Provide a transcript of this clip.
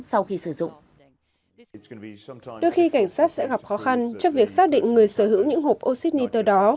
sau khi sử dụng đôi khi cảnh sát sẽ gặp khó khăn trong việc xác định người sở hữu những hộp oxy nitro đó